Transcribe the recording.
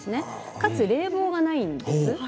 かつ冷房がないんです。